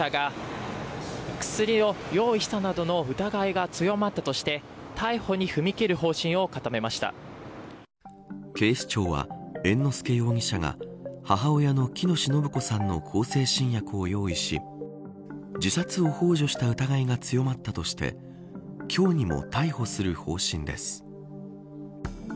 その結果猿之助容疑者が薬を用意したなどの疑いが強まったとして、逮捕に警視庁は猿之助容疑者が母親の喜熨斗延子さんの向精神薬を用意し自殺をほう助した疑いが強まったとして今日にも逮捕する方針です。